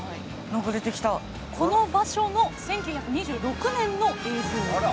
この場所の１９２６年の映像なんです。